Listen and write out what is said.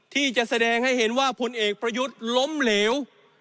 ที่จะแสดงให้เห็นว่าผลเอกประยุทธ์ล้มเหลว